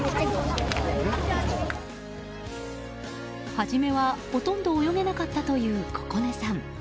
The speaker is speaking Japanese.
初めは、ほとんど泳げなかったという心寧さん。